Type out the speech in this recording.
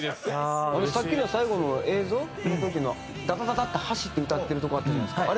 さっきの最後の映像の時のダダダダって走って歌ってるとこあったじゃないですか。